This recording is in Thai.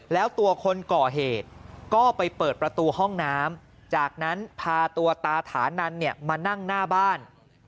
แล้วตัวคนก่อเหตุก็ไปเปิดประตูห้องน้ำจากนั้นพาตัวตาถานันเนี่ยมานั่งหน้าบ้าน